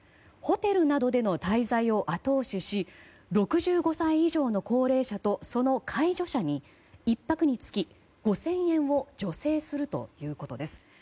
ホテルなどでの滞在を後押しし６５歳以上の高齢者とその介助者に１泊につき５０００円を助成するということです。